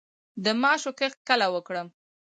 د ماشو کښت کله وکړم؟